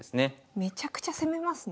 めちゃくちゃ攻めますね。